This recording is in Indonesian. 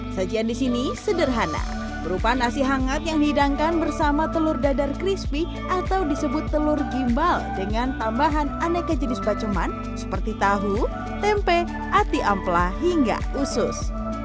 sajian di sini sederhana berupa nasi hangat yang dihidangkan bersama telur dadar crispy atau disebut telur gimbal dengan tambahan aneka jenis baceman seperti tahu tempe ati ampla hingga usus